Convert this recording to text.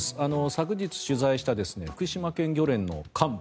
昨日取材した福島県漁連の幹部